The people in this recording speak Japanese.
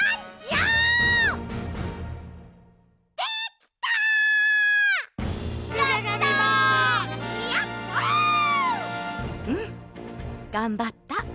うんがんばった。